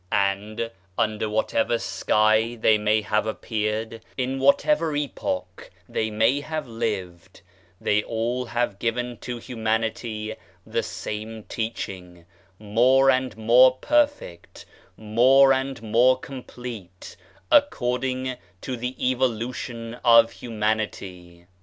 And, under what ever sky they may have appeared, in whatever epoch they may have lived, they all have given to humanity the same teaching, more and more perfect, more and more complete, according to the evolution of humanity.